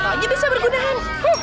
siapa siapa lagi bisa bergunaan